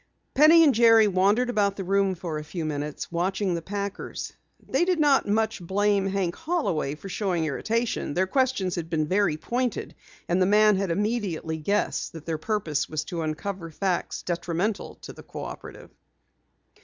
Penny and Jerry wandered about the room for a few minutes, watching the packers. They did not much blame Hank Holloway for showing irritation. Their questions had been very pointed and the man had immediately guessed that their purpose was to uncover facts detrimental to the Cooperative.